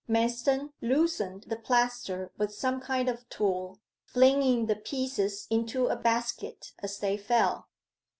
Manston loosened the plaster with some kind of tool, flinging the pieces into a basket as they fell.